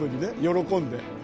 喜んで。